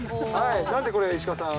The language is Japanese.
なんでこれ、石川さん？